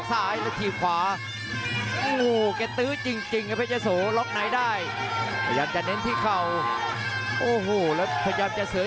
แข้งขวาหอมด้านแผ่งเพชร